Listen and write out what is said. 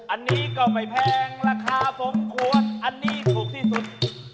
อันนี้ก็ไม่แพงราคาสมควรอันนี้ถูกที่สุด